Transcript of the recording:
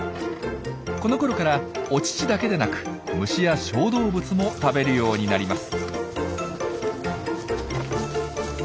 このころからお乳だけでなく虫や小動物も食べるようになります。